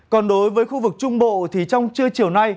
còn đối với khu vực trung bộ thì trong chưa chiều